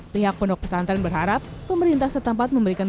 pihak pondok pesantren berharap pemerintah setempat memberikan